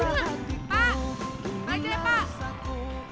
pak bajanya pak